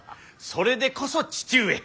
それでこそ父上。